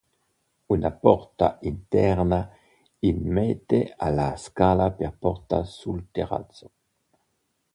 Una porta interna immette alla scala che porta sul terrazzo.